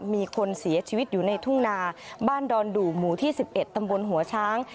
มีคนเสียชีวิตอยู่ในทุ่งนาบ้านดอนดู่หมู่ที่๑๑ตำบลหัวช้าง